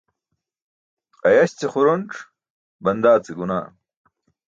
Ayaś ce xuronc, bandaa ce gunaah.